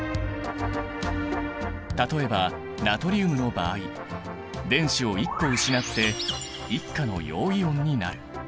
例えばナトリウムの場合電子を１個失って１価の陽イオンになる。